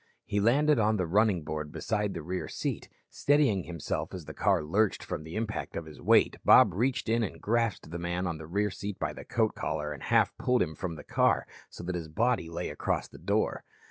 He landed on the running board beside the rear seat. Steadying himself as the car lurched from the impact of his weight, Bob reached in and grasped the man on the rear seat by the coat collar and half pulled him from the car, so that his body lay across the door.